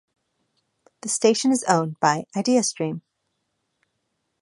The station is owned by Ideastream.